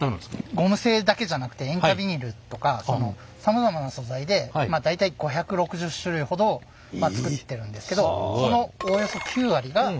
ゴム製だけじゃなくて塩化ビニールとかそのさまざまな素材でまあ大体５６０種類ほど作ってるんですけどそのおおよそ９割がゴム製の手袋となっています。